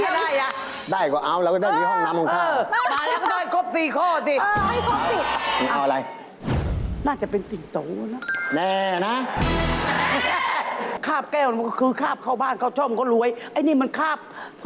จะได้เหรอได้ก็เอาเราก็ได้อยู่ห้องลำของข้าพเหรอ